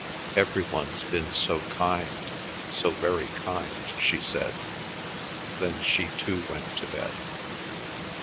"Every one's been so kind—so very kind," she said. Then she too went to bed.